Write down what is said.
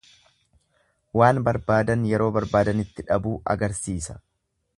Waan barbaadan yeroo barbaadanitti dhabuu agarsiisa.